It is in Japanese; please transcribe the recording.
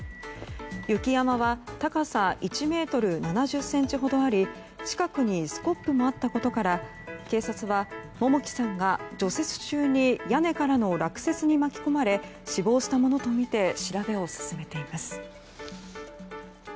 雪山は高さ１ｍ７０ｃｍほどあり近くにスコップもあったことから警察は桃木さんが除雪中に屋根からの落雪に巻き込まれ死亡したものとみて調べを進めています。